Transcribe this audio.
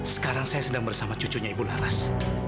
sekarang saya sedang bersama cucunya ibu laras